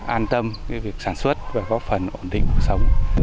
an tâm việc sản xuất và góp phần ổn định cuộc sống